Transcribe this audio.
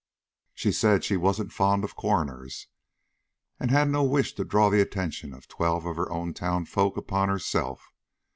"She said she wasn't fond of coroners and had no wish to draw the attention of twelve of her own townsfolk upon herself.